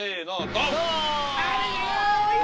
ドン！